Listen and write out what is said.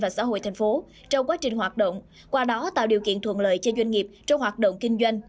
và xã hội thành phố trong quá trình hoạt động qua đó tạo điều kiện thuận lợi cho doanh nghiệp trong hoạt động kinh doanh